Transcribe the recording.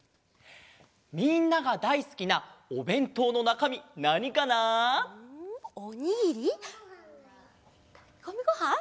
みんながだいすきなおべんとうのなかみなにかな？んおにぎり？たきこみごはん！